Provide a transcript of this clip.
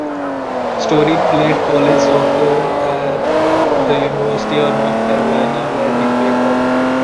Storey played college soccer at the University of North Carolina, where he played forward.